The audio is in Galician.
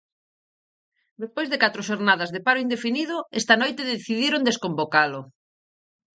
Despois de catro xornadas de paro indefinido, esta noite decidiron desconvocalo.